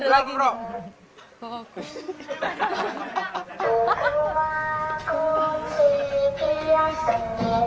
gak boleh enak